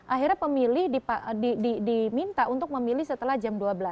akhirnya pemilih diminta untuk memilih setelah jam dua belas